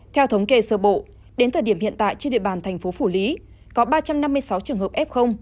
theo thống kê sơ bộ đến thời điểm hiện tại trên địa bàn thành phố phủ lý có ba trăm năm mươi sáu trường hợp f